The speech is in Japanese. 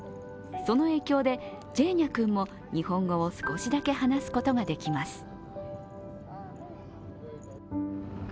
その影響で、ジェーニャ君も日本語を少しだけ話すことができます。